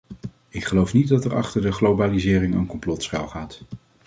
Ik geloof niet dat er achter de globalisering een complot schuilgaat.